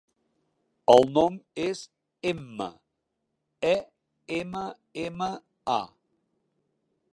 El nom és Emma: e, ema, ema, a.